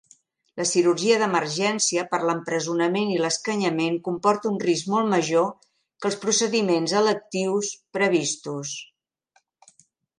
La cirurgia d'emergència per l'empresonament i l'escanyament comporta un risc molt major que els procediments "electius" previstos.